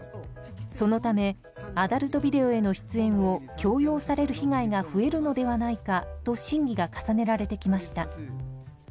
そのためアダルトビデオへの出演を強要される被害が増えるのではないかと審議が重ねられてきました。